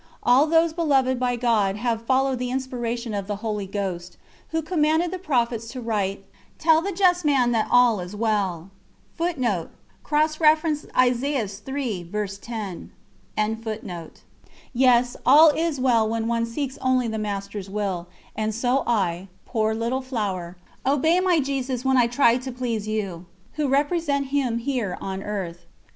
All those beloved by God have followed the inspiration of the Holy Ghost, who commanded the prophets to write: "Tell the just man that all is well." Yes, all is well when one seeks only the Master's Will, and so I, poor Little Flower, obey my Jesus when I try to please you, who represent him here on earth.